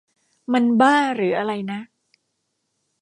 มันบ้าหรืออะไรนะ ?